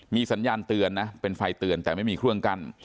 มีสัญญาณเตือนนะเป็นไฟเตือนแต่ไม่มีเครื่องกั้น